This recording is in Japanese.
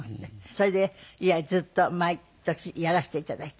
それで以来ずっと毎年やらせて頂いております。